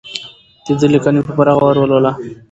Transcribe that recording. د ده لیکنې په پوره غور ولولو.